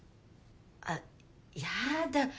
あっやだ。